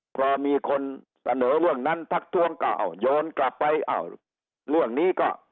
พอมีคนเสนอเรื่องนั้นทักทวงก็เอาโยนกลับไปอ้าวเรื่องนี้ก็